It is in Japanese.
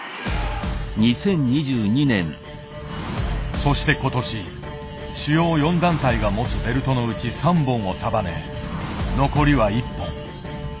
そして今年主要４団体が持つベルトのうち３本を束ね残りは１本。